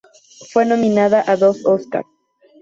Fue nominada a dos Oscar.